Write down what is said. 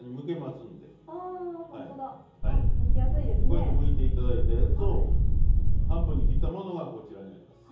こうやってむいて頂いたやつを半分に切ったものがこちらにあります。